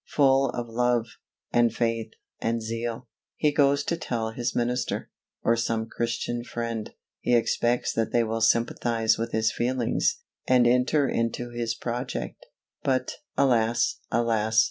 Full of love, and faith, and zeal, he goes to tell his minister, or some Christian friend; he expects that they will sympathise with his feelings, and enter into his project; but, alas! alas!